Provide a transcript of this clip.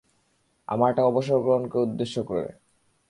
আমারটা অবসর গ্রহণকে উদ্দেশ্য করে!